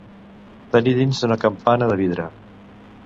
Tenir dins d'una campana de vidre.